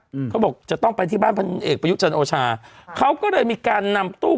เขาบอกจะต้องไปที่บ้านพันเอกประยุจันทร์โอชาเขาก็เลยมีการนำตู้